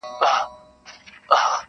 یوه بل ته یې کتل دواړه حیران سول-